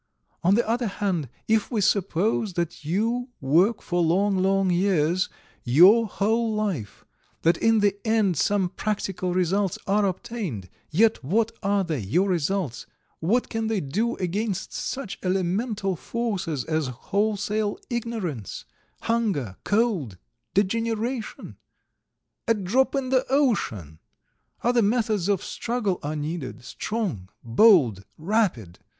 ... On the other hand, if we suppose that you work for long, long years, your whole life, that in the end some practical results are obtained, yet what are they, your results, what can they do against such elemental forces as wholesale ignorance, hunger, cold, degeneration? A drop in the ocean! Other methods of struggle are needed, strong, bold, rapid!